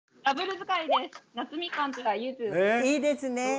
あっいいですね。